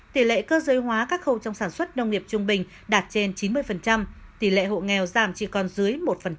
tỷ lệ cơ giới hóa các khâu trong sản xuất nông nghiệp trung bình đạt trên chín mươi tỷ lệ hộ nghèo giảm chỉ còn dưới một